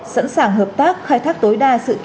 sẵn sàng hợp tác khai thác tối đa